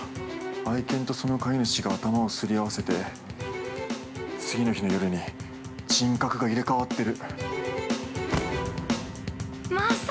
愛犬とその買い主が頭をすり合わせて、次の日の夜に人格が入れかわってる。